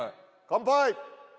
乾杯！